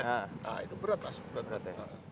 nah itu berat mas berat ya